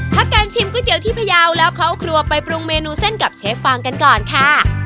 พักการชิมก๋วยเตี๋ยวที่พยาวแล้วเข้าครัวไปปรุงเมนูเส้นกับเชฟฟางกันก่อนค่ะ